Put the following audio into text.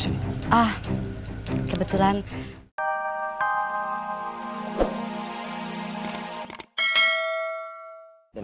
hai ah kebetulan